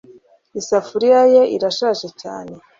isafuriya ye irashaje cyane